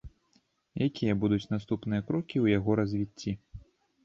Якія будуць наступныя крокі ў яго развіцці?